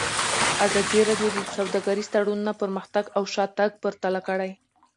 ازادي راډیو د سوداګریز تړونونه پرمختګ او شاتګ پرتله کړی.